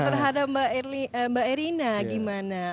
terhadap mbak erina gimana